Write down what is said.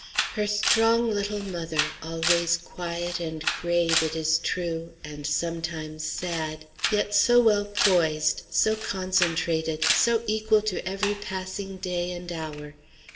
Her strong little mother! always quiet and grave, it is true, and sometimes sad; yet so well poised, so concentrated, so equal to every passing day and hour!